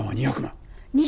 ２００万！？